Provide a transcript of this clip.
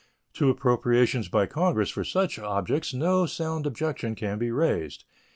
To appropriations by Congress for such objects no sound objection can be raised.